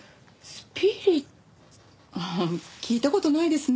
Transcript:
聞いた事ないですね。